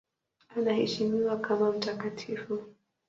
Anaheshimiwa kama mtakatifu.